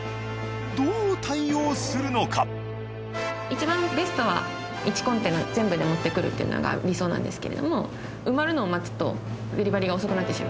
一番ベストは１コンテナ全部で持ってくるっていうのが理想なんですけれども。